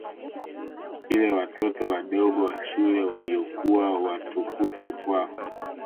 vile watoto wadogo wa shule waliokuwa watukutu kwa